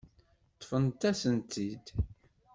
Ṭṭfent-as-tent-id.